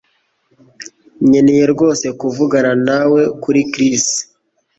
Nkeneye rwose kuvugana nawe kuri Chris